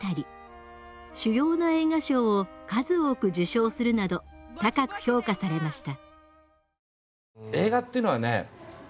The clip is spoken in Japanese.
主要な映画賞を数多く受賞するなど高く評価されました。